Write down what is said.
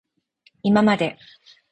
いままで